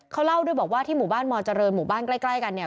เขาเล่าด้วยบอกว่าที่หมู่บ้านมเจริญหมู่บ้านใกล้กันเนี่ย